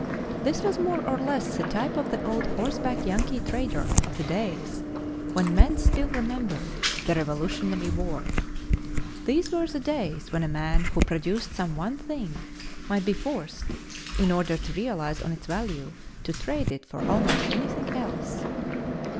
This was more or less the type of the old horseback Yankee trader of the days when men still remembered the Revolutionary War. These were the days when a man who produced some one thing might be forced, in order to realize on its value, to trade it for almost anything else.